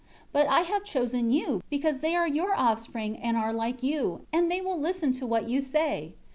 But I have chosen you, because they are your offspring and are like you, and they will listen to what you say.'